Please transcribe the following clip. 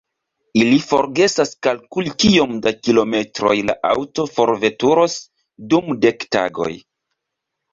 Ili forgesas kalkuli kiom da kilometroj la aŭto forveturos dum dek tagoj.